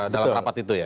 dalam rapat itu ya